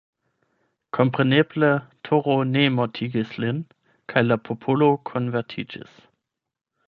Kompreneble Toro ne mortigis lin, kaj la popolo konvertiĝis.